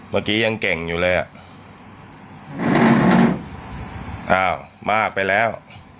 เมื่อกี้ยังเก่งอยู่เลยอ่ะอ้าวมากไปแล้ว